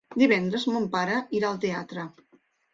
Divendres mon pare irà al teatre.